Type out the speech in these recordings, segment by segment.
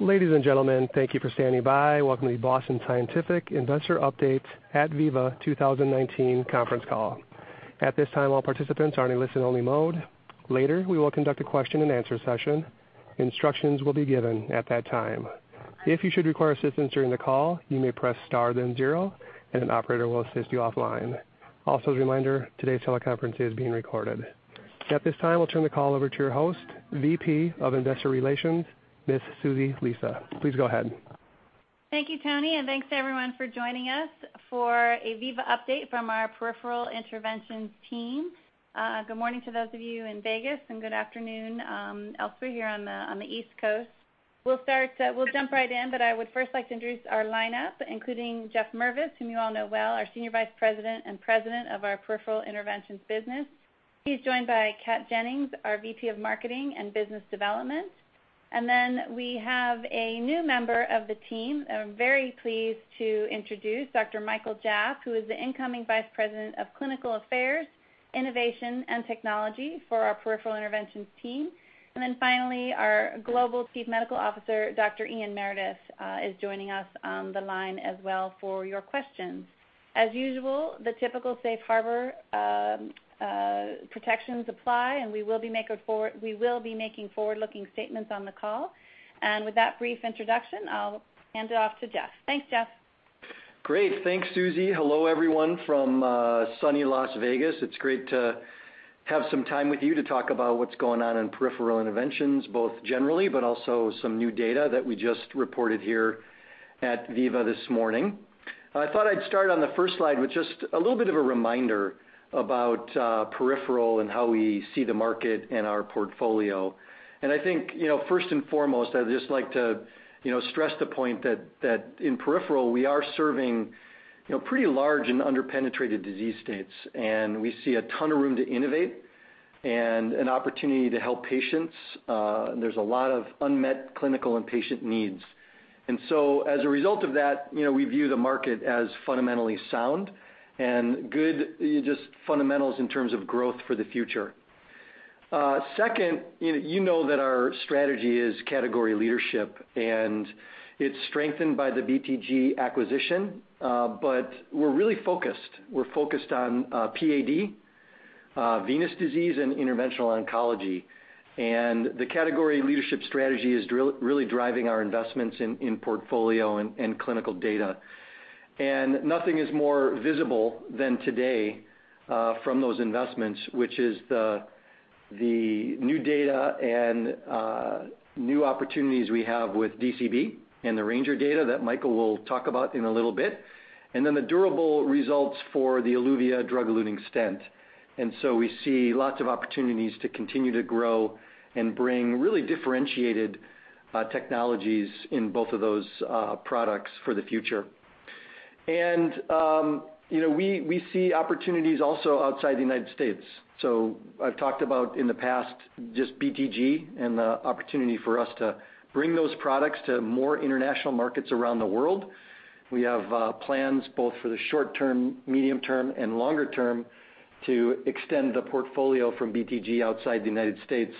Ladies and gentlemen, thank you for standing by. Welcome to the Boston Scientific Investor Update at VIVA 2019 conference call. At this time, all participants are in listen-only mode. Later, we will conduct a question and answer session. Instructions will be given at that time. If you should require assistance during the call, you may press star then zero, and an operator will assist you offline. Also, as a reminder, today's teleconference is being recorded. At this time, we'll turn the call over to your host, VP of Investor Relations, Ms. Susan Lisa. Please go ahead. Thank you, Tony, and thanks to everyone for joining us for a VIVA update from our Peripheral Interventions team. Good morning to those of you in Vegas, and good afternoon elsewhere here on the East Coast. We'll jump right in. I would first like to introduce our lineup, including Jeff Mirviss, whom you all know well, our Senior Vice President and President of our Peripheral Interventions business. He's joined by Catherine Jennings, our VP of Marketing and Business Development. We have a new member of the team. I'm very pleased to introduce Dr. Michael Jaff, who is the incoming Vice President of Clinical Affairs, Innovation, and Technology for our Peripheral Interventions team. Finally, our Global Chief Medical Officer, Dr. Ian Meredith, is joining us on the line as well for your questions. As usual, the typical safe harbor protections apply. We will be making forward-looking statements on the call. With that brief introduction, I'll hand it off to Jeff. Thanks, Jeff. Great. Thanks, Suzy. Hello, everyone, from sunny Las Vegas. It's great to have some time with you to talk about what's going on in Peripheral Interventions, both generally, but also some new data that we just reported here at VIVA this morning. I thought I'd start on the first slide with just a little bit of a reminder about peripheral and how we see the market and our portfolio. I think, first and foremost, I'd just like to stress the point that in peripheral, we are serving pretty large and under-penetrated disease states, and we see a ton of room to innovate and an opportunity to help patients. There's a lot of unmet clinical and patient needs. As a result of that, we view the market as fundamentally sound and good fundamentals in terms of growth for the future. Second, you know that our strategy is category leadership, and it's strengthened by the BTG acquisition. We're really focused. We're focused on PAD, venous disease, and interventional oncology. The category leadership strategy is really driving our investments in portfolio and clinical data. Nothing is more visible than today from those investments, which is the new data and new opportunities we have with DCB and the RANGER data that Michael will talk about in a little bit, and then the durable results for the Eluvia drug-eluting stent. We see lots of opportunities to continue to grow and bring really differentiated technologies in both of those products for the future. We see opportunities also outside the U.S. I've talked about, in the past, just BTG and the opportunity for us to bring those products to more international markets around the world. We have plans both for the short term, medium term, and longer term to extend the portfolio from BTG outside the U.S.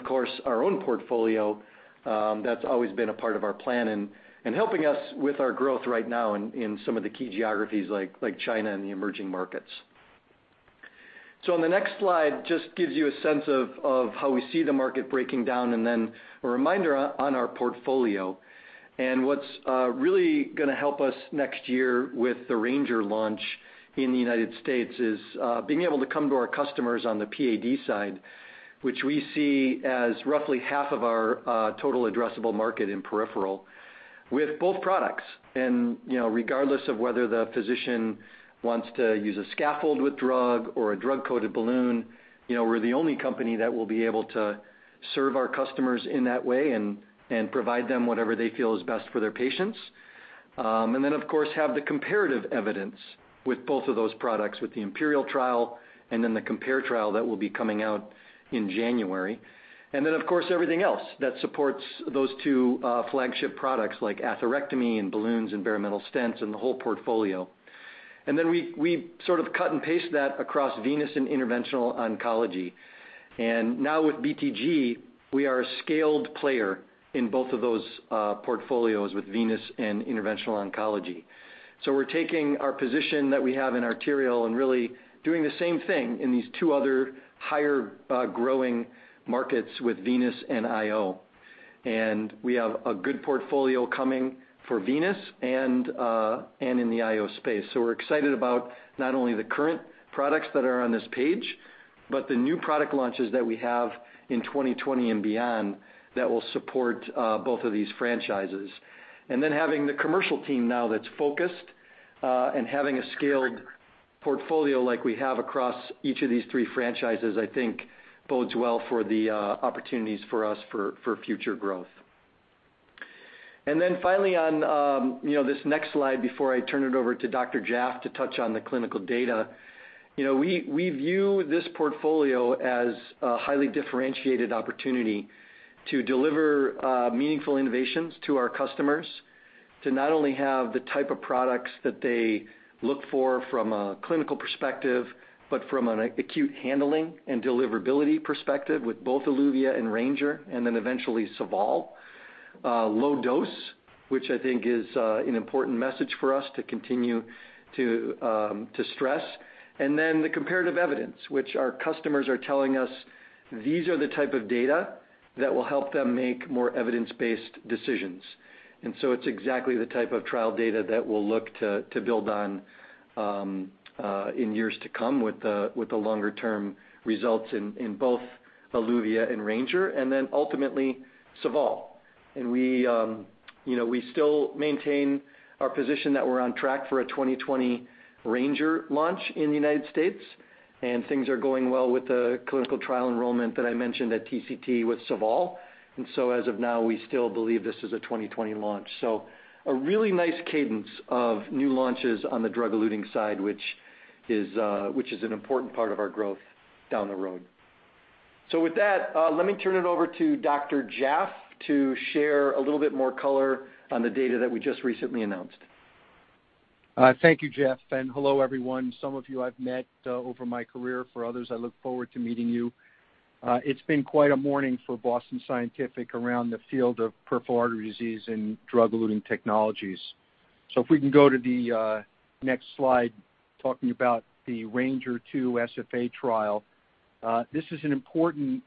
Of course, our own portfolio, that's always been a part of our plan and helping us with our growth right now in some of the key geographies like China and the emerging markets. On the next slide, just gives you a sense of how we see the market breaking down and then a reminder on our portfolio. What's really going to help us next year with the RANGER launch in the U.S. is being able to come to our customers on the PAD side, which we see as roughly half of our total addressable market in peripheral with both products. Regardless of whether the physician wants to use a scaffold with drug or a drug-coated balloon, we're the only company that will be able to serve our customers in that way and provide them whatever they feel is best for their patients. Of course, have the comparative evidence with both of those products, with the IMPERIAL trial and then the COMPARE trial that will be coming out in January. Of course, everything else that supports those two flagship products, like atherectomy and balloons and bare-metal stents and the whole portfolio. We sort of cut and paste that across venous and interventional oncology. Now with BTG, we are a scaled player in both of those portfolios with venous and interventional oncology. We're taking our position that we have in arterial and really doing the same thing in these two other higher growing markets with venous and IO. We have a good portfolio coming for venous and in the IO space. We're excited about not only the current products that are on this page, but the new product launches that we have in 2020 and beyond that will support both of these franchises. Having the commercial team now that's focused and having a scaled portfolio like we have across each of these three franchises, I think bodes well for the opportunities for us for future growth. Finally on this next slide, before I turn it over to Dr. Jaff to touch on the clinical data. We view this portfolio as a highly differentiated opportunity to deliver meaningful innovations to our customers. To not only have the type of products that they look for from a clinical perspective, but from an acute handling and deliverability perspective with both Eluvia and RANGER. Eventually [SEVAL]. Low dose, which I think is an important message for us to continue to stress. The comparative evidence, which our customers are telling us these are the type of data that will help them make more evidence-based decisions. It's exactly the type of trial data that we'll look to build on in years to come with the longer-term results in both Eluvia and RANGER, and then ultimately [SEVAL]. We still maintain our position that we're on track for a 2020 RANGER launch in the United States, and things are going well with the clinical trial enrollment that I mentioned at TCT with [SEVAL]. As of now, we still believe this is a 2020 launch. A really nice cadence of new launches on the drug-eluting side, which is an important part of our growth down the road. With that, let me turn it over to Dr. Jaff to share a little bit more color on the data that we just recently announced. Thank you, Jeff, and hello, everyone. Some of you I've met over my career. For others, I look forward to meeting you. It's been quite a morning for Boston Scientific around the field of peripheral artery disease and drug-eluting technologies. If we can go to the next slide, talking about the RANGER II SFA trial. This is an important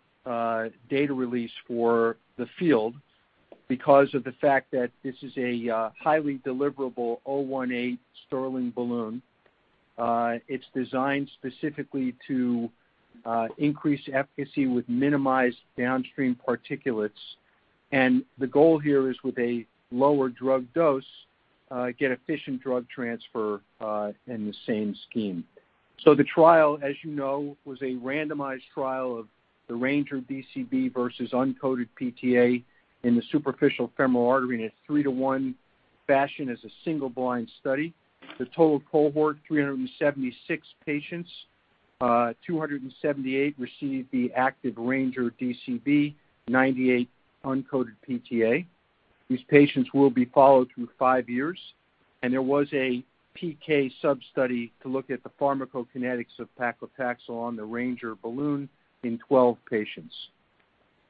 data release for the field because of the fact that this is a highly deliverable 0.18 Sterling balloon. It's designed specifically to increase efficacy with minimized downstream particulates. The goal here is with a lower drug dose, get efficient drug transfer in the same scheme. The trial, as you know, was a randomized trial of the RANGER DCB versus uncoated PTA in the superficial femoral artery in a 3-to-1 fashion as a single-blind study. The total cohort, 376 patients. 278 received the active RANGER DCB, 98 uncoated PTA. These patients will be followed through five years. There was a PK substudy to look at the pharmacokinetics of paclitaxel on the RANGER balloon in 12 patients.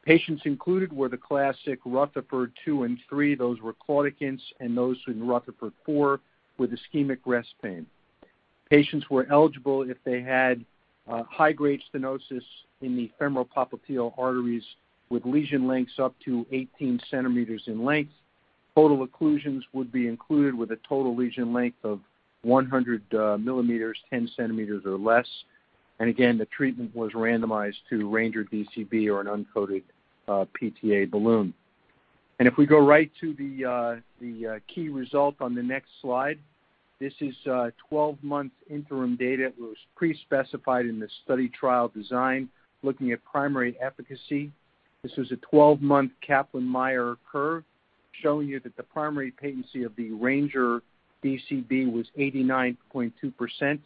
Patients included were the classic Rutherford 2 and 3, those were claudicants, and those in Rutherford 4 with ischemic rest pain. Patients were eligible if they had high-grade stenosis in the femoropopliteal arteries with lesion lengths up to 18 centimeters in length. Total occlusions would be included with a total lesion length of 100 millimeters, 10 centimeters or less. Again, the treatment was randomized to RANGER DCB or an uncoated PTA balloon. If we go right to the key result on the next slide. This is a 12-month interim data that was pre-specified in the study trial design, looking at primary efficacy. This is a 12-month Kaplan-Meier curve showing you that the primary patency of the RANGER DCB was 89.2%,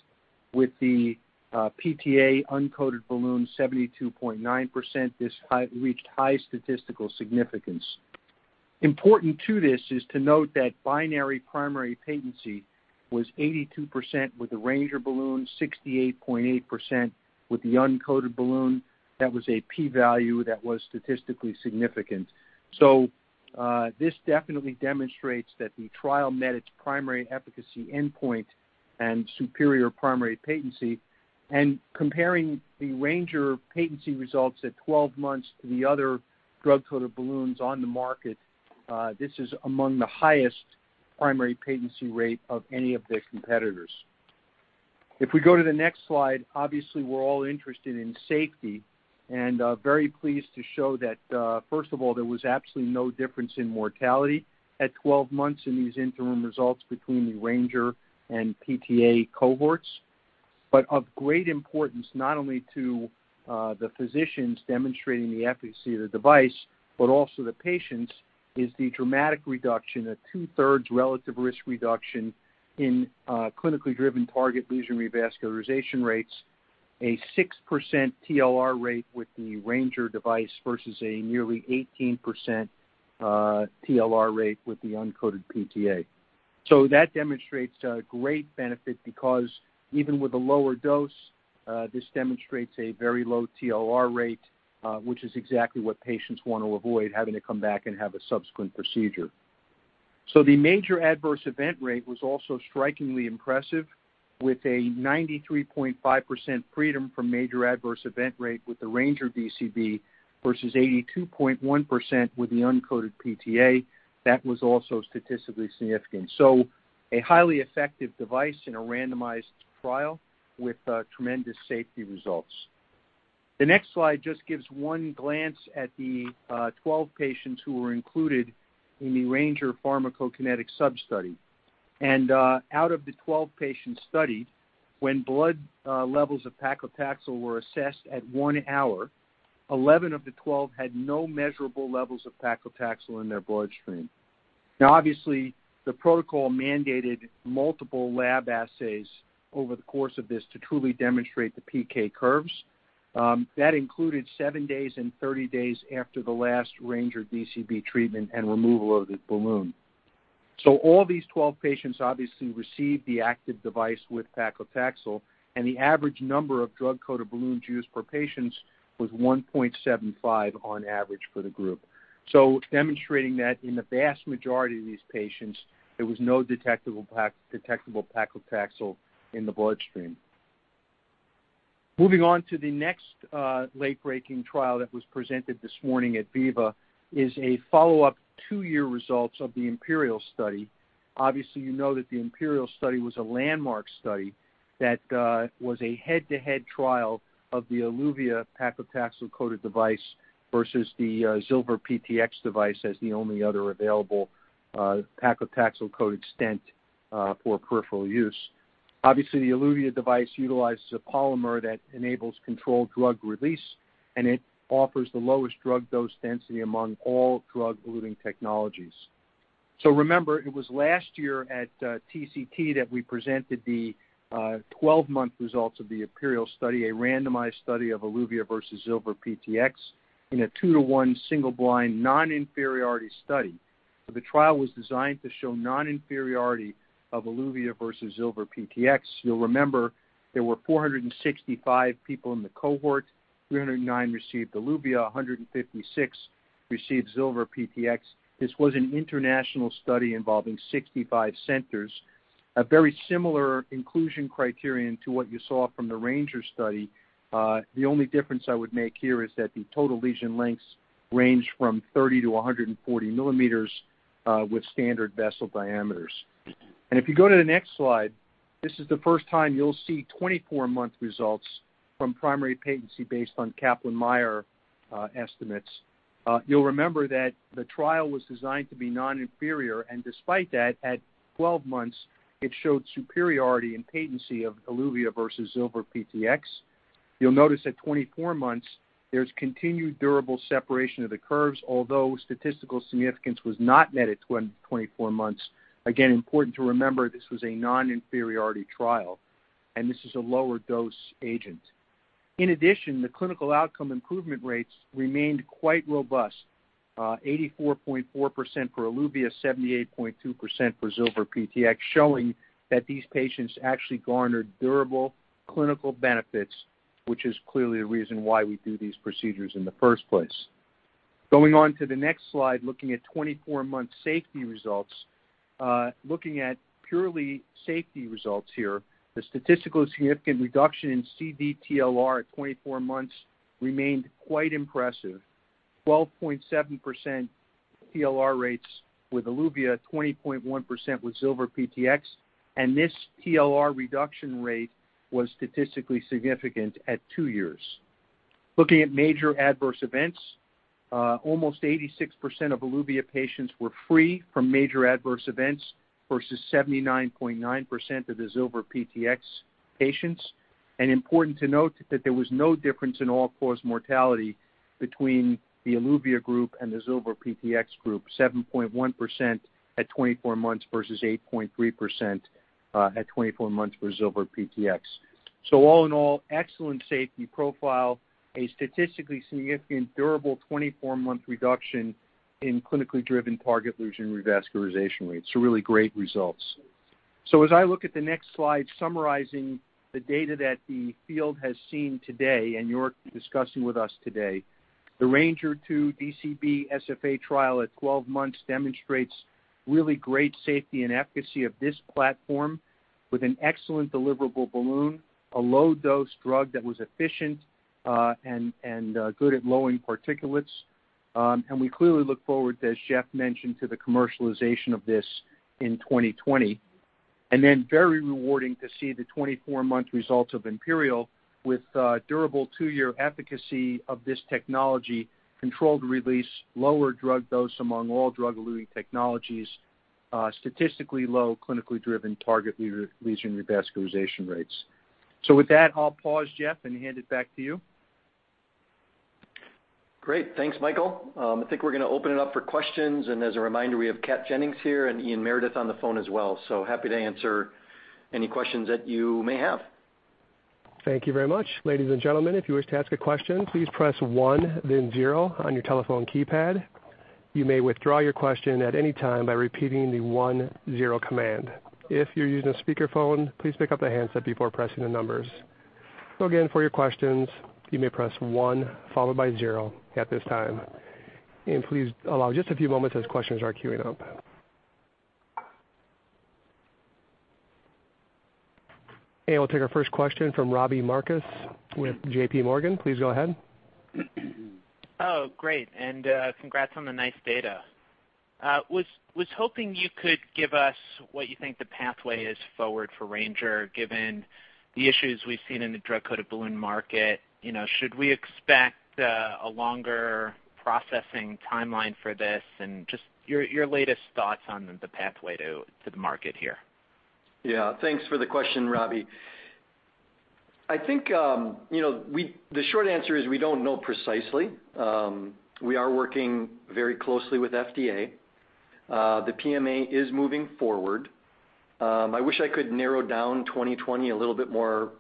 with the PTA uncoated balloon, 72.9%. This reached high statistical significance. Important to this is to note that binary primary patency was 82% with the RANGER balloon, 68.8% with the uncoated balloon. That was a P value that was statistically significant. This definitely demonstrates that the trial met its primary efficacy endpoint and superior primary patency. Comparing the RANGER patency results at 12 months to the other drug-coated balloons on the market, this is among the highest primary patency rate of any of the competitors. If we go to the next slide, obviously, we're all interested in safety and very pleased to show that first of all, there was absolutely no difference in mortality at 12 months in these interim results between the RANGER and PTA cohorts. Of great importance, not only to the physicians demonstrating the efficacy of the device, but also the patients, is the dramatic reduction, a two-thirds relative risk reduction in clinically driven target lesion revascularization rates, a 6% TLR rate with the RANGER device versus a nearly 18% TLR rate with the uncoated PTA. That demonstrates a great benefit because even with a lower dose, this demonstrates a very low TLR rate, which is exactly what patients want to avoid having to come back and have a subsequent procedure. The major adverse event rate was also strikingly impressive with a 93.5% freedom from major adverse event rate with the RANGER DCB versus 82.1% with the uncoated PTA. That was also statistically significant. A highly effective device in a randomized trial with tremendous safety results. The next slide just gives one glance at the 12 patients who were included in the RANGER pharmacokinetic substudy. Out of the 12 patients studied, when blood levels of paclitaxel were assessed at one hour, 11 of the 12 had no measurable levels of paclitaxel in their bloodstream. Obviously, the protocol mandated multiple lab assays over the course of this to truly demonstrate the PK curves. That included seven days and 30 days after the last RANGER DCB treatment and removal of the balloon. All these 12 patients obviously received the active device with paclitaxel, and the average number of drug-coated balloons used per patient was 1.75 on average for the group. Demonstrating that in the vast majority of these patients, there was no detectable paclitaxel in the bloodstream. Moving on to the next late-breaking trial that was presented this morning at VIVA is a follow-up two-year result of the IMPERIAL study. Obviously, you know that the IMPERIAL study was a landmark study that was a head-to-head trial of the Eluvia paclitaxel-coated device versus the Zilver PTX device as the only other available paclitaxel-coated stent for peripheral use. Obviously, the Eluvia device utilizes a polymer that enables controlled drug release. It offers the lowest drug dose density among all drug-eluting technologies. Remember, it was last year at TCT that we presented the 12-month results of the IMPERIAL study, a randomized study of Eluvia versus Zilver PTX in a 2-to-1 single-blind non-inferiority study. The trial was designed to show non-inferiority of Eluvia versus Zilver PTX. You'll remember there were 465 people in the cohort. 309 received Eluvia, 156 received Zilver PTX. This was an international study involving 65 centers. A very similar inclusion criterion to what you saw from the RANGER study. The only difference I would make here is that the total lesion lengths range from 30 to 140 millimeters with standard vessel diameters. If you go to the next slide, this is the first time you'll see 24-month results from primary patency based on Kaplan-Meier estimates. You'll remember that the trial was designed to be non-inferior, and despite that, at 12 months, it showed superiority in patency of Eluvia versus Zilver PTX. You'll notice at 24 months, there's continued durable separation of the curves, although statistical significance was not met at 24 months. Again, important to remember, this was a non-inferiority trial, and this is a lower dose agent. In addition, the clinical outcome improvement rates remained quite robust. 84.4% for Eluvia, 78.2% for Zilver PTX, showing that these patients actually garnered durable clinical benefits, which is clearly the reason why we do these procedures in the first place. Going on to the next slide, looking at 24-month safety results. Looking at purely safety results here, the statistically significant reduction in CD-TLR at 24 months remained quite impressive. 12.7% TLR rates with Eluvia, 20.1% with Zilver PTX, and this TLR reduction rate was statistically significant at two years. Looking at major adverse events, almost 86% of Eluvia patients were free from major adverse events versus 79.9% of the Zilver PTX patients. Important to note that there was no difference in all-cause mortality between the Eluvia group and the Zilver PTX group, 7.1% at 24 months versus 8.3% at 24 months for Zilver PTX. All in all, excellent safety profile. A statistically significant durable 24-month reduction in clinically driven target lesion revascularization rates. Really great results. As I look at the next slide, summarizing the data that the field has seen today and you're discussing with us today. The RANGER II DCB SFA trial at 12 months demonstrates really great safety and efficacy of this platform with an excellent deliverable balloon, a low-dose drug that was efficient and good at lowering particulates. We clearly look forward, as Jeff mentioned, to the commercialization of this in 2020. Then very rewarding to see the 24-month results of IMPERIAL with durable two-year efficacy of this technology, controlled release, lower drug dose among all drug-eluting technologies, statistically low clinically driven target lesion revascularization rates. With that, I'll pause, Jeff, and hand it back to you. Great. Thanks, Michael. I think we're going to open it up for questions. As a reminder, we have Catherine Jennings here and Ian Meredith on the phone as well. Happy to answer any questions that you may have. Thank you very much. Ladies and gentlemen, if you wish to ask a question, please press 1 then 0 on your telephone keypad. You may withdraw your question at any time by repeating the 1 0 command. If you're using a speakerphone, please pick up the handset before pressing the numbers. Again, for your questions, you may press 1 followed by 0 at this time, and please allow just a few moments as questions are queuing up. We'll take our first question from Robbie Marcus with J.P. Morgan. Please go ahead. Oh, great. Congrats on the nice data. Was hoping you could give us what you think the pathway is forward for RANGER, given the issues we've seen in the drug-coated balloon market. Should we expect a longer processing timeline for this? Just your latest thoughts on the pathway to the market here. Thanks for the question, Robbie. I think the short answer is we don't know precisely. We are working very closely with FDA. The PMA is moving forward. I wish I could narrow down 2020 a little bit more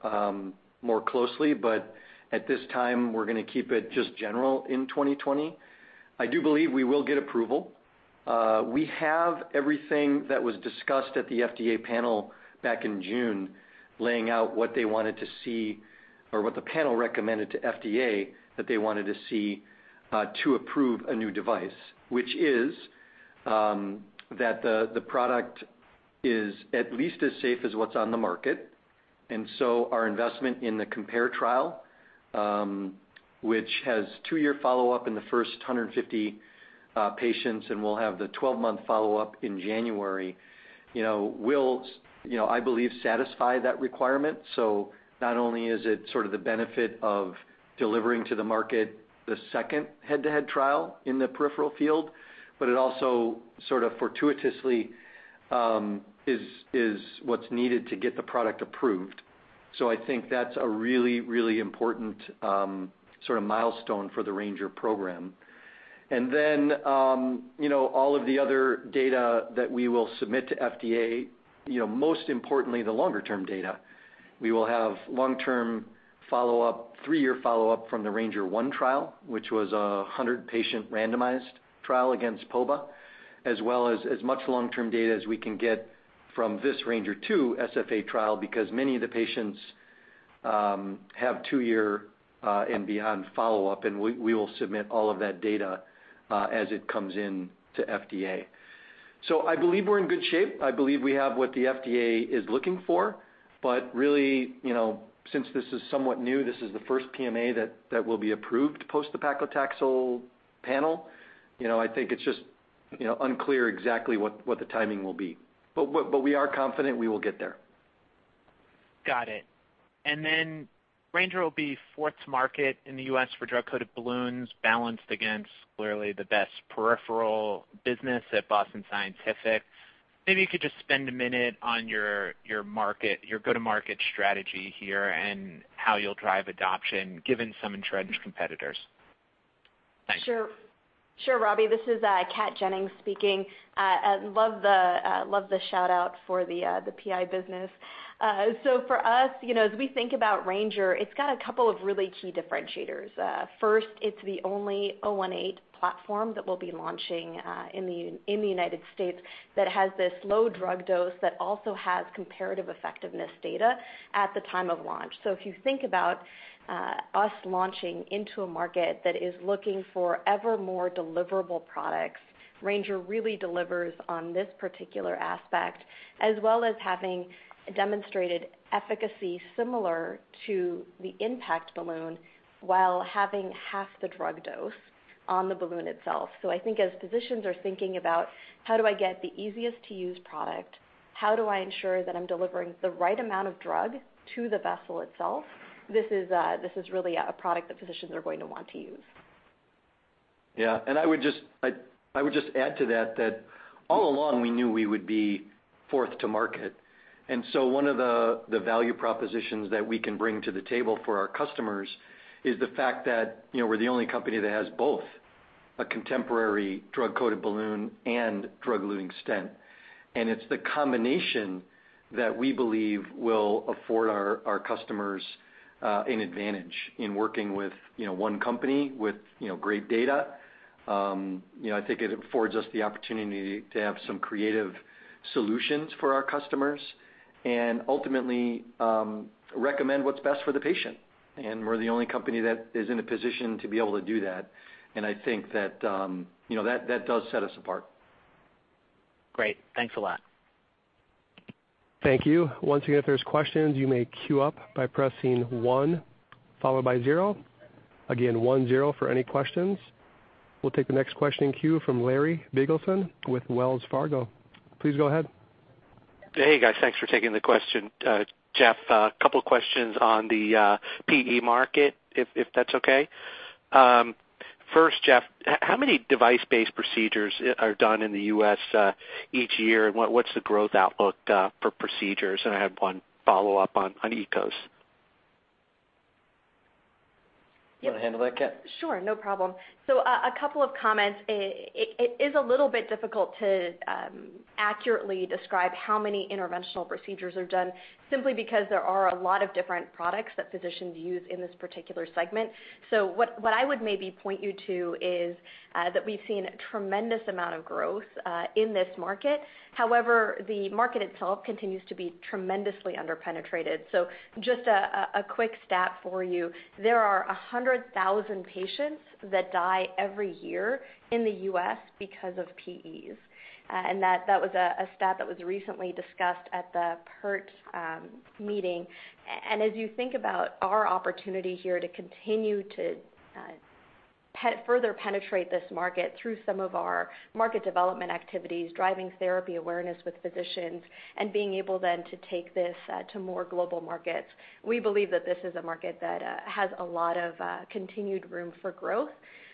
closely, but at this time we're going to keep it just general in 2020. I do believe we will get approval. We have everything that was discussed at the FDA panel back in June, laying out what they wanted to see or what the panel recommended to FDA that they wanted to see to approve a new device, which is that the product is at least as safe as what's on the market. Our investment in the COMPARE trial, which has two-year follow-up in the first 150 patients and we'll have the 12-month follow-up in January, will, I believe, satisfy that requirement. Not only is it sort of the benefit of delivering to the market the second head-to-head trial in the peripheral field, but it also sort of fortuitously is what's needed to get the product approved. I think that's a really important sort of milestone for the Ranger program. All of the other data that we will submit to FDA, most importantly, the longer-term data. We will have long-term follow-up, three-year follow-up from the Ranger One trial, which was 100-patient randomized trial against POBA, as well as much long-term data as we can get from this Ranger 2 SFA trial because many of the patients have two-year and beyond follow-up, and we will submit all of that data as it comes in to FDA. I believe we're in good shape. I believe we have what the FDA is looking for, but really, since this is somewhat new, this is the first PMA that will be approved post the paclitaxel panel. I think it's just unclear exactly what the timing will be. We are confident we will get there. Got it. RANGER will be fourth market in the U.S. for drug-coated balloons balanced against clearly the best peripheral business at Boston Scientific. Maybe you could just spend a minute on your go-to-market strategy here and how you'll drive adoption given some entrenched competitors. Thanks. For us, as we think about Ranger, it's got a couple of really key differentiators. First, it's the only 018 platform that we'll be launching in the United States that has this low drug dose that also has comparative effectiveness data at the time of launch. If you think about us launching into a market that is looking for ever more deliverable products, Ranger really delivers on this particular aspect, as well as having demonstrated efficacy similar to the IN.PACT balloon while having half the drug dose on the balloon itself. I think as physicians are thinking about how do I get the easiest-to-use product? How do I ensure that I'm delivering the right amount of drug to the vessel itself? This is really a product that physicians are going to want to use. I would just add to that all along we knew we would be fourth to market. One of the value propositions that we can bring to the table for our customers is the fact that we're the only company that has both a contemporary drug-coated balloon and drug-eluting stent. It's the combination that we believe will afford our customers an advantage in working with one company with great data. I think it affords us the opportunity to have some creative solutions for our customers and ultimately recommend what's best for the patient. We're the only company that is in a position to be able to do that. I think that does set us apart. Great. Thanks a lot. Thank you. Once again, if there's questions, you may queue up by pressing one followed by zero. Again, one, zero for any questions. We'll take the next question in queue from Larry Biegelsen with Wells Fargo. Please go ahead. Hey, guys. Thanks for taking the question. Jeff, a couple questions on the PE market, if that's okay. First, Jeff, how many device-based procedures are done in the U.S. each year, and what's the growth outlook for procedures? I have one follow-up on EKOS. You want to handle that, Kat? Sure, no problem. A couple of comments. It is a little bit difficult to accurately describe how many interventional procedures are done simply because there are a lot of different products that physicians use in this particular segment. What I would maybe point you to is that we've seen a tremendous amount of growth in this market. However, the market itself continues to be tremendously under-penetrated. Just a quick stat for you. There are 100,000 patients that die every year in the U.S. because of PEs. That was a stat that was recently discussed at the PERT meeting. As you think about our opportunity here to continue to further penetrate this market through some of our market development activities, driving therapy awareness with physicians, and being able then to take this to more global markets, we believe that this is a market that has a lot of continued room for growth,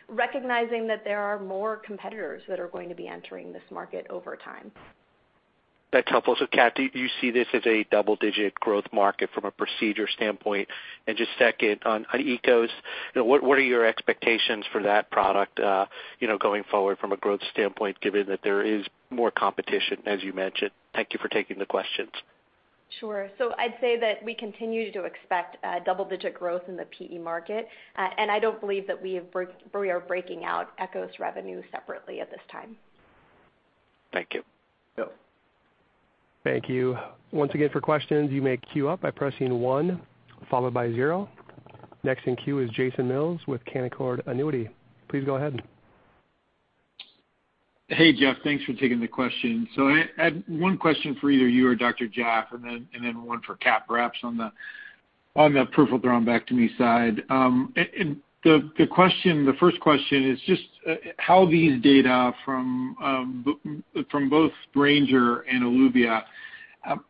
recognizing that there are more competitors that are going to be entering this market over time. That's helpful. Kat, do you see this as a double-digit growth market from a procedure standpoint? Just second, on EKOS, what are your expectations for that product going forward from a growth standpoint, given that there is more competition, as you mentioned? Thank you for taking the questions. Sure. I'd say that we continue to expect double-digit growth in the PE market. I don't believe that we are breaking out EKOS revenue separately at this time. Thank you. Larry. Thank you. Once again, for questions, you may queue up by pressing one followed by zero. Next in queue is Jason Mills with Canaccord Genuity. Please go ahead. Hey, Jeff. Thanks for taking the question. I have one question for either you or Dr. Jaffe, and then one for Kat perhaps on the peripheral thrombectomy side. The first question is just how these data from both RANGER and Eluvia,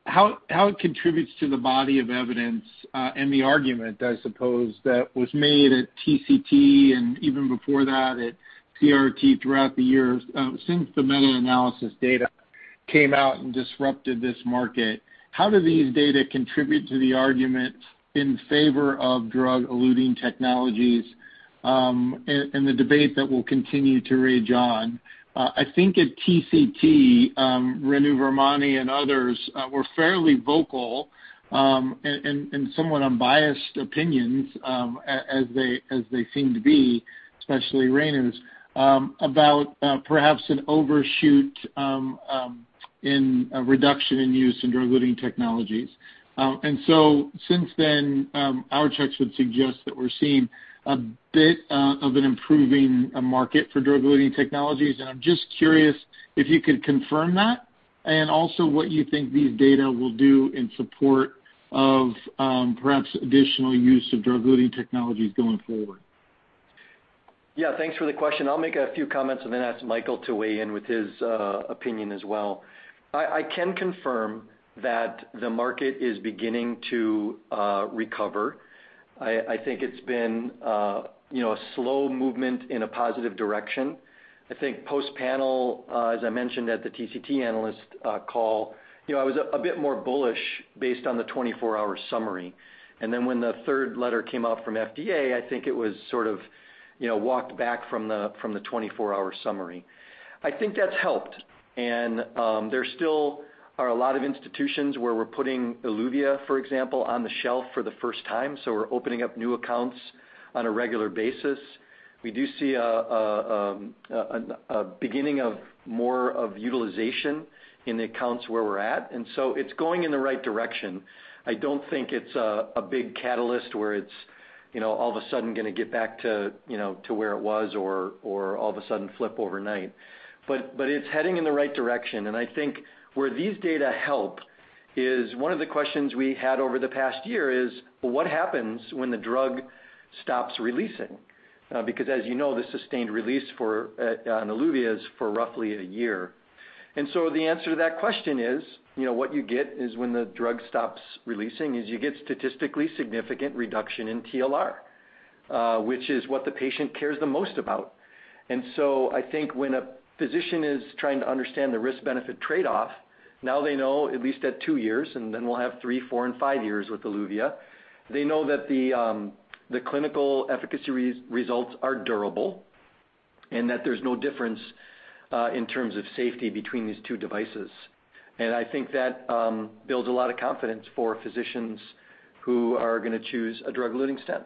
how it contributes to the body of evidence and the argument, I suppose, that was made at TCT and even before that at CRT throughout the years, since the meta-analysis data came out and disrupted this market. How do these data contribute to the argument in favor of drug-eluting technologies, and the debate that will continue to rage on? I think at TCT, Renu Virmani and others were fairly vocal and somewhat unbiased opinions, as they seem to be, especially Renu's, about perhaps an overshoot in a reduction in use in drug-eluting technologies. Since then, our checks would suggest that we're seeing a bit of an improving market for drug-eluting technologies, and I'm just curious if you could confirm that, and also what you think these data will do in support of perhaps additional use of drug-eluting technologies going forward. Thanks for the question. I'll make a few comments and then ask Michael to weigh in with his opinion as well. I can confirm that the market is beginning to recover. I think it's been a slow movement in a positive direction. I think post-panel, as I mentioned at the TCT analyst call, I was a bit more bullish based on the 24-hour summary, and then when the third letter came out from FDA, I think it was sort of walked back from the 24-hour summary. I think that's helped. There still are a lot of institutions where we're putting Eluvia, for example, on the shelf for the first time. We're opening up new accounts on a regular basis. We do see a beginning of more of utilization in the accounts where we're at, and so it's going in the right direction. I don't think it's a big catalyst where it's all of a sudden going to get back to where it was or all of a sudden flip overnight. It's heading in the right direction, and I think where these data help is one of the questions we had over the past year is, well, what happens when the drug stops releasing? Because as you know, the sustained release on Eluvia is for roughly a year. The answer to that question is, what you get is when the drug stops releasing, is you get statistically significant reduction in TLR, which is what the patient cares the most about. I think when a physician is trying to understand the risk-benefit trade-off, now they know at least at two years, and then we'll have three, four, and five years with Eluvia. They know that the clinical efficacy results are durable and that there's no difference in terms of safety between these two devices. I think that builds a lot of confidence for physicians who are going to choose a drug-eluting stent.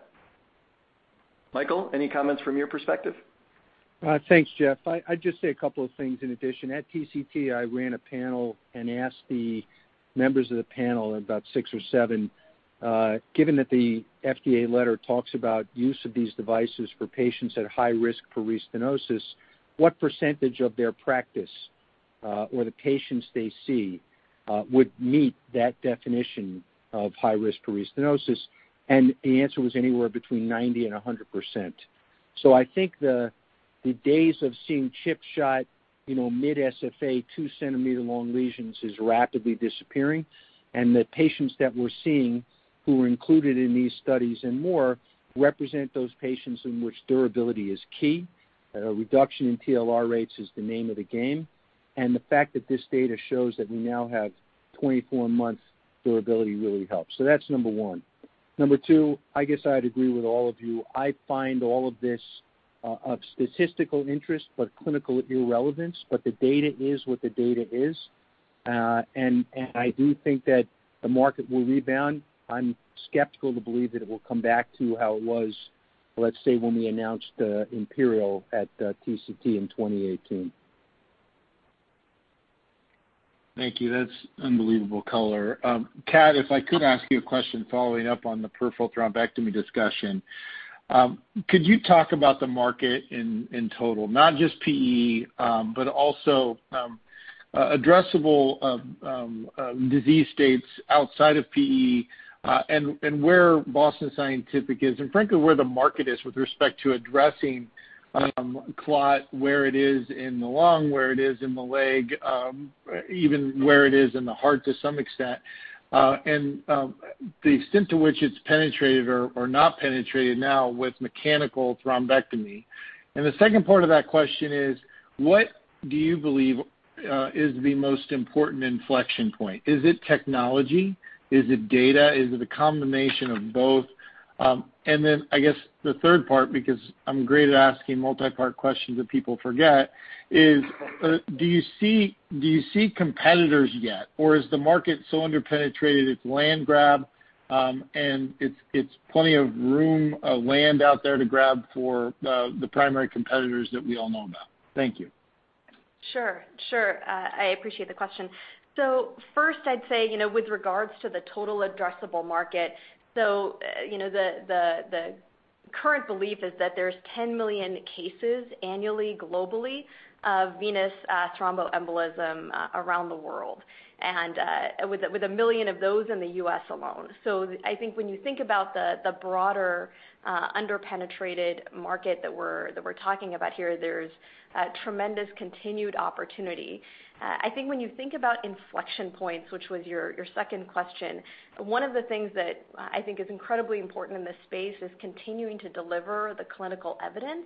Michael, any comments from your perspective? Thanks, Jeff. I'd just say a couple of things in addition. At TCT, I ran a panel and asked the members of the panel, about six or seven, given that the FDA letter talks about use of these devices for patients at high risk for restenosis, what percentage of their practice, or the patients they see, would meet that definition of high risk for restenosis? The answer was anywhere between 90% and 100%. I think the days of seeing chip shot, mid SFA, two-centimeter long lesions is rapidly disappearing, and the patients that we're seeing who were included in these studies and more represent those patients in which durability is key. A reduction in TLR rates is the name of the game, and the fact that this data shows that we now have 24 months durability really helps. That's number 1. Number two, I guess I'd agree with all of you. I find all of this of statistical interest but clinical irrelevance. The data is what the data is. I do think that the market will rebound. I'm skeptical to believe that it will come back to how it was, let's say, when we announced IMPERIAL at TCT in 2018. Thank you. That's unbelievable color. Kat, if I could ask you a question following up on the peripheral thrombectomy discussion. Could you talk about the market in total, not just PE, but also addressable disease states outside of PE, and where Boston Scientific is, and frankly, where the market is with respect to addressing clot, where it is in the lung, where it is in the leg, even where it is in the heart to some extent, and the extent to which it's penetrated or not penetrated now with mechanical thrombectomy. The second part of that question is, what do you believe is the most important inflection point? Is it technology? Is it data? Is it a combination of both? I guess the third part, because I'm great at asking multi-part questions that people forget is, do you see competitors yet? Is the market so under-penetrated it's land grab, and it's plenty of room, land out there to grab for the primary competitors that we all know about? Thank you. Sure. I appreciate the question. First, I'd say, with regards to the total addressable market. The current belief is that there's 10 million cases annually globally of venous thromboembolism around the world, and with 1 million of those in the U.S. alone. I think when you think about the broader, under-penetrated market that we're talking about here, there's tremendous continued opportunity. I think when you think about inflection points, which was your second question, one of the things that I think is incredibly important in this space is continuing to deliver the clinical evidence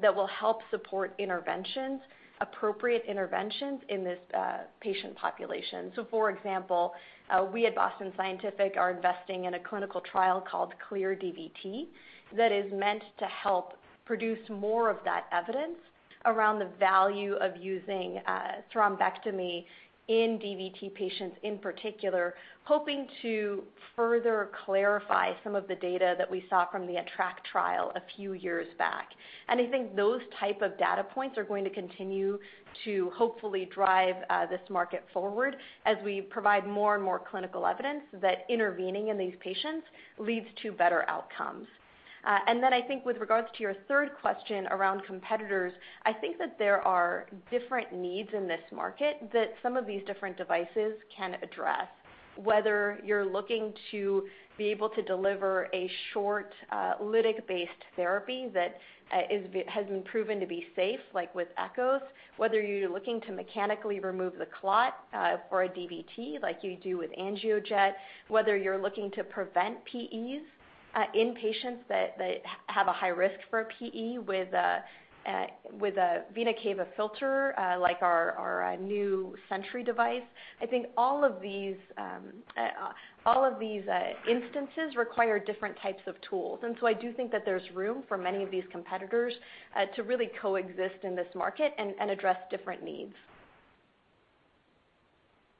that will help support interventions, appropriate interventions in this patient population. For example, we at Boston Scientific are investing in a clinical trial called C-TRACT that is meant to help produce more of that evidence around the value of using thrombectomy in DVT patients, in particular, hoping to further clarify some of the data that we saw from the ATTRACT trial a few years back. I think those type of data points are going to continue to hopefully drive this market forward as we provide more and more clinical evidence that intervening in these patients leads to better outcomes. I think with regards to your third question around competitors, I think that there are different needs in this market that some of these different devices can address. Whether you're looking to be able to deliver a short, lytic-based therapy that has been proven to be safe, like with EKOS. Whether you're looking to mechanically remove the clot for a DVT like you do with AngioJet. Whether you're looking to prevent PEs in patients that have a high risk for a PE with a vena cava filter like our new Sentry device. I think all of these instances require different types of tools, and so I do think that there's room for many of these competitors to really coexist in this market and address different needs.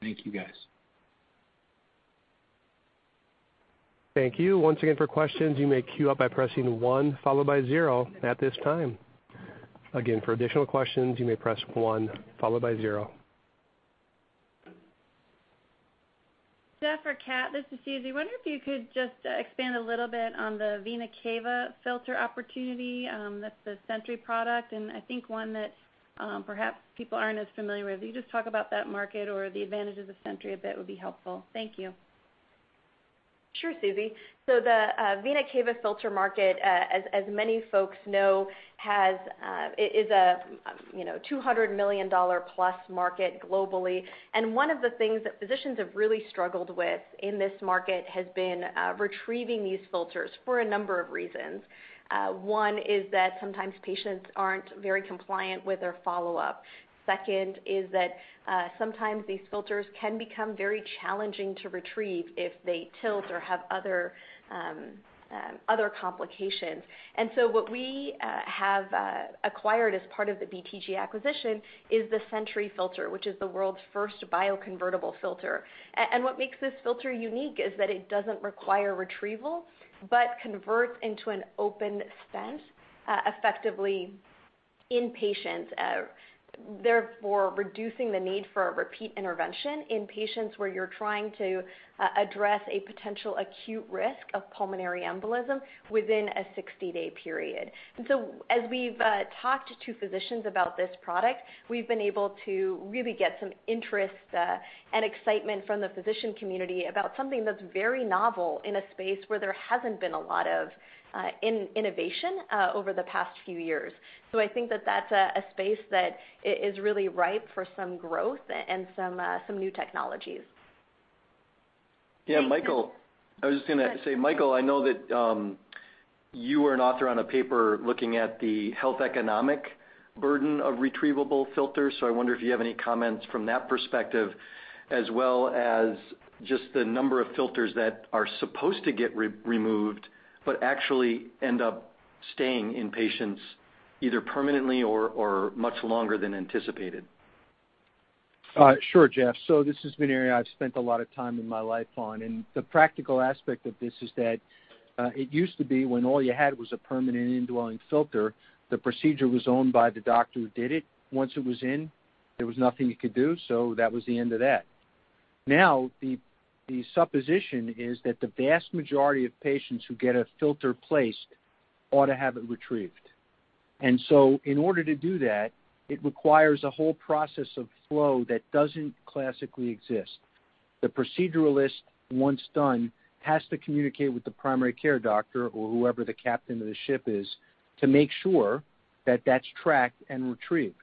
Thank you, guys. Thank you. Once again for questions, you may queue up by pressing one followed by zero at this time. Again, for additional questions, you may press one followed by zero. Jeff or Kat, this is Suzy. I wonder if you could just expand a little bit on the vena cava filter opportunity, that's the Sentry product, and I think one that perhaps people aren't as familiar with. If you could just talk about that market or the advantage of the Sentry a bit would be helpful. Thank you. Sure, Suzy. The vena cava filter market, as many folks know, is a $200 million-plus market globally. One of the things that physicians have really struggled with in this market has been retrieving these filters for a number of reasons. One is that sometimes patients aren't very compliant with their follow-up. Second is that sometimes these filters can become very challenging to retrieve if they tilt or have other complications. What we have acquired as part of the BTG acquisition is the Sentry filter, which is the world's first bioconvertible filter. What makes this filter unique is that it doesn't require retrieval but converts into an open stent effectively in patients, therefore reducing the need for a repeat intervention in patients where you're trying to address a potential acute risk of pulmonary embolism within a 60-day period. As we've talked to physicians about this product, we've been able to really get some interest and excitement from the physician community about something that's very novel in a space where there hasn't been a lot of innovation over the past few years. I think that that's a space that is really ripe for some growth and some new technologies. Yeah, Michael. I was just going to say, Michael, I know that you were an author on a paper looking at the health economic burden of retrievable filters. I wonder if you have any comments from that perspective as well as just the number of filters that are supposed to get removed but actually end up staying in patients either permanently or much longer than anticipated. Sure, Jeff. This has been an area I've spent a lot of time in my life on. The practical aspect of this is that it used to be when all you had was a permanent indwelling filter, the procedure was owned by the doctor who did it. Once it was in, there was nothing you could do. That was the end of that. Now the supposition is that the vast majority of patients who get a filter placed ought to have it retrieved. In order to do that, it requires a whole process of flow that doesn't classically exist. The proceduralist, once done, has to communicate with the primary care doctor or whoever the captain of the ship is to make sure that that's tracked and retrieved.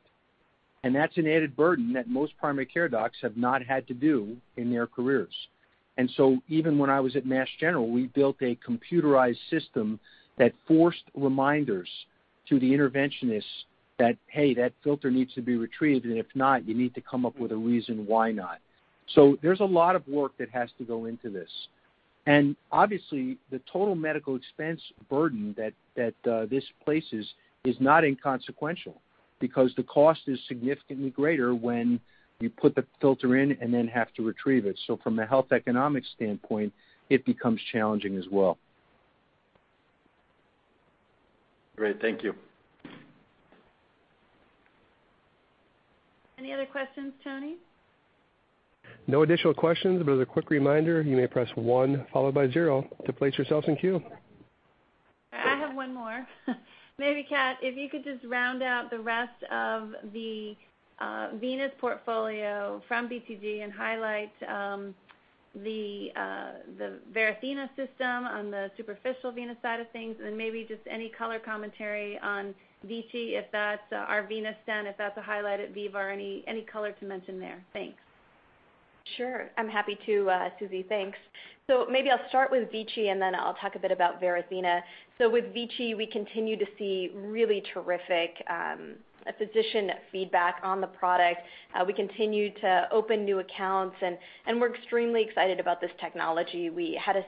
That's an added burden that most primary care docs have not had to do in their careers. Even when I was at Mass General, we built a computerized system that forced reminders to the interventionists that, "Hey, that filter needs to be retrieved, and if not, you need to come up with a reason why not." There's a lot of work that has to go into this. Obviously the total medical expense burden that this places is not inconsequential, because the cost is significantly greater when you put the filter in and then have to retrieve it. From a health economic standpoint, it becomes challenging as well. Great. Thank you. Any other questions, Tony? No additional questions, but as a quick reminder, you may press one followed by zero to place yourselves in queue. I have one more. Maybe Kat, if you could just round out the rest of the venous portfolio from BTG and highlight the Varithena system on the superficial venous side of things, and then maybe just any color commentary on VICI, our venous stent, if that's a highlight at VIVA or any color to mention there. Thanks. Sure. I'm happy to, Suzy. Thanks. Maybe I'll start with VICI, and then I'll talk a bit about Varithena. With VICI, we continue to see really terrific physician feedback on the product. We continue to open new accounts, and we're extremely excited about this technology. We had a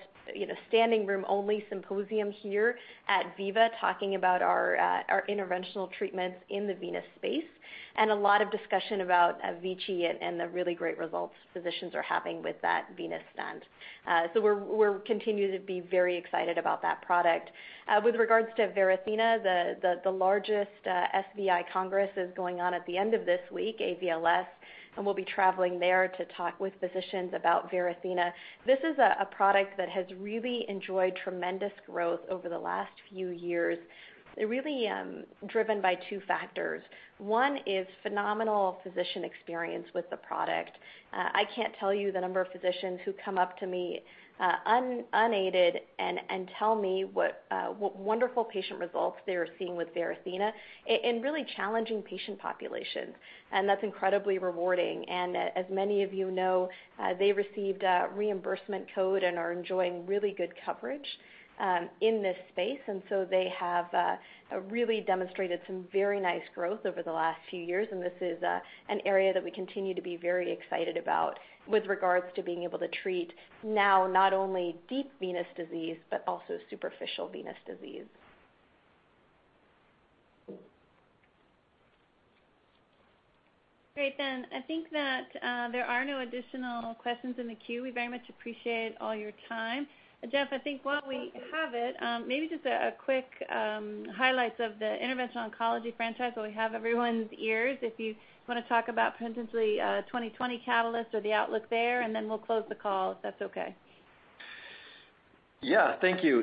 standing room only symposium here at VIVA, talking about our interventional treatments in the venous space, and a lot of discussion about VICI and the really great results physicians are having with that venous stent. We're continuing to be very excited about that product. With regards to Varithena, the largest AVLS congress is going on at the end of this week, AVLS, and we'll be traveling there to talk with physicians about Varithena. This is a product that has really enjoyed tremendous growth over the last few years, really driven by two factors. One is phenomenal physician experience with the product. I can't tell you the number of physicians who come up to me unaided and tell me what wonderful patient results they're seeing with Varithena in really challenging patient populations. That's incredibly rewarding. As many of you know, they received a reimbursement code and are enjoying really good coverage in this space. They have really demonstrated some very nice growth over the last few years, and this is an area that we continue to be very excited about with regards to being able to treat now not only deep venous disease, but also superficial venous disease. Great. I think that there are no additional questions in the queue. We very much appreciate all your time. Jeff, I think while we have it, maybe just a quick highlights of the Interventional Oncology franchise while we have everyone's ears. If you want to talk about potentially 2020 catalyst or the outlook there, we'll close the call, if that's okay. Yeah. Thank you.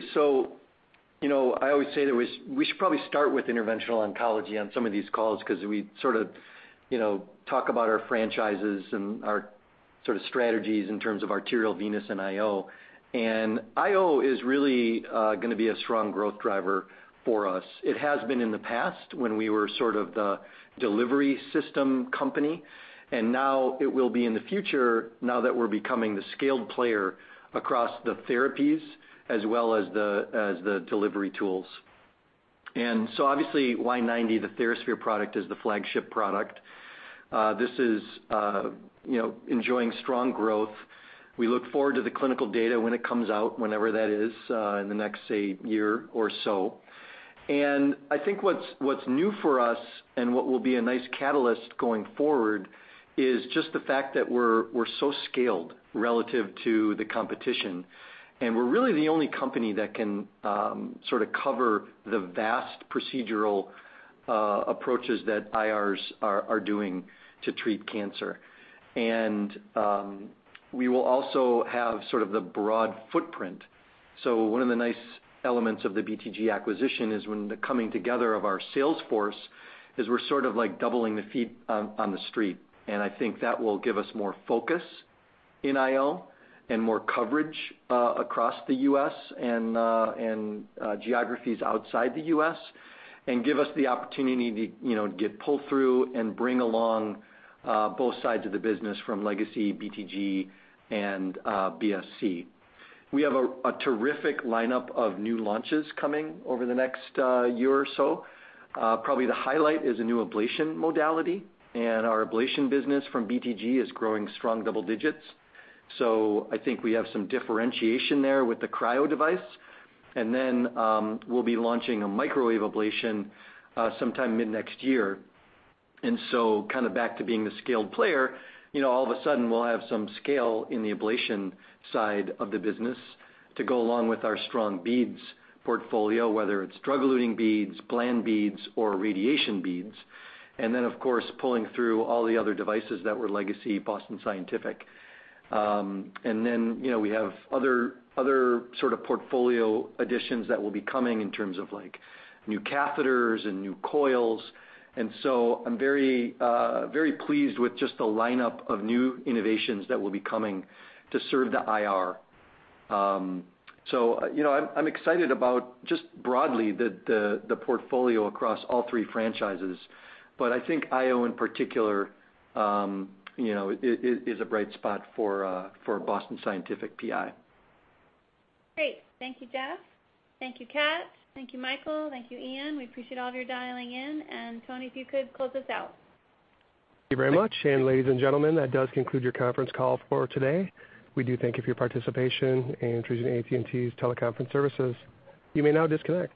I always say that we should probably start with interventional oncology on some of these calls because we sort of talk about our franchises and our sort of strategies in terms of arterial, venous, and IO. IO is really going to be a strong growth driver for us. It has been in the past when we were sort of the delivery system company, and now it will be in the future now that we're becoming the scaled player across the therapies as well as the delivery tools. Obviously Y90, the TheraSphere product, is the flagship product. This is enjoying strong growth. We look forward to the clinical data when it comes out, whenever that is, in the next, say, year or so. I think what's new for us and what will be a nice catalyst going forward is just the fact that we're so scaled relative to the competition, and we're really the only company that can sort of cover the vast procedural approaches that IRs are doing to treat cancer. We will also have sort of the broad footprint. One of the nice elements of the BTG acquisition is when the coming together of our sales force is we're sort of doubling the feet on the street. I think that will give us more focus in IO and more coverage across the U.S. and geographies outside the U.S., and give us the opportunity to get pull through and bring along both sides of the business from legacy BTG and BSC. We have a terrific lineup of new launches coming over the next year or so. Probably the highlight is a new ablation modality, and our ablation business from BTG is growing strong double digits. I think we have some differentiation there with the cryo device. We'll be launching a microwave ablation sometime mid-next year. Kind of back to being the scaled player, all of a sudden we'll have some scale in the ablation side of the business to go along with our strong beads portfolio, whether it's drug-eluting beads, bland beads, or radiation beads. Of course, pulling through all the other devices that were legacy Boston Scientific. We have other sort of portfolio additions that will be coming in terms of new catheters and new coils. I'm very pleased with just the lineup of new innovations that will be coming to serve the IR. I'm excited about just broadly the portfolio across all three franchises. I think IO in particular is a bright spot for Boston Scientific PI. Great. Thank you, Jeff. Thank you, Kat. Thank you, Michael. Thank you, Ian. We appreciate all of you dialing in. Tony, if you could close us out. Thank you very much. Ladies and gentlemen, that does conclude your conference call for today. We do thank you for your participation and for using AT&T's teleconference services. You may now disconnect.